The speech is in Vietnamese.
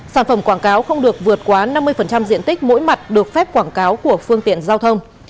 sản phẩm quảng cáo không được vượt quá năm mươi diện tích mỗi mặt được phép quảng cáo của phương tiện giao thông